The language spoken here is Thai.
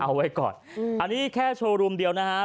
เอาไว้ก่อนอันนี้แค่โชว์รูมเดียวนะฮะ